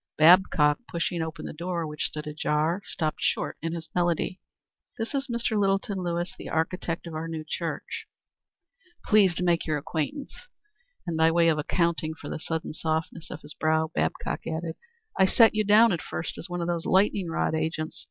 Babcock, pushing open the door, which stood ajar, stopped short in his melody. "This is Mr. Littleton, Lewis. The architect of our new church." "Pleased to make your acquaintance." And by way of accounting for the sudden softening of his brow, Babcock added, "I set you down at first as one of those lightning rod agents.